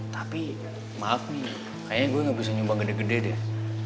tapi maaf nih kayaknya gue gak bisa nyumbang gede gede deh